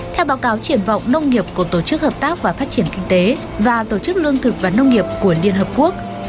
theo báo cáo triển vọng nông nghiệp của tổ chức hợp tác và phát triển kinh tế và tổ chức lương thực và nông nghiệp của liên hợp quốc